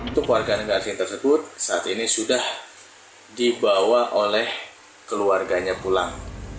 untuk warga negara asing tersebut saat ini sudah dibawa oleh keluarganya pulang